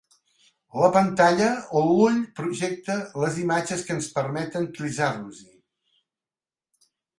La pantalla on l'ull projecta les imatges que ens permeten clissar-nos-hi.